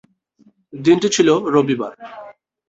দিনটি ছিল রবিবার।